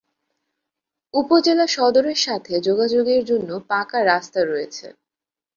উপজেলা সদরের সাথে যোগাযোগের জন্য পাঁকা রাস্তা রয়েছে।